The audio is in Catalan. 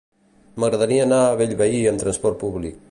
M'agradaria anar a Bellvei amb trasport públic.